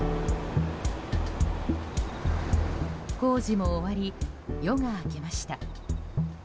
工事も終わり夜が明けました。